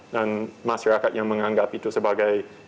dan masyarakat yang menganggap itu sebagai